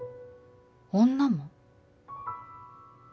女も？